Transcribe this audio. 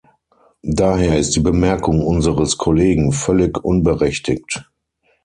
Daher ist die Bemerkung unseres Kollegen völlig unberechtigt.